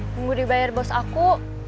tunggu dibayar bos aku